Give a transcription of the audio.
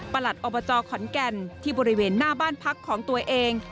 หลัดอบจขอนแก่นที่บริเวณหน้าบ้านพักของตัวเอง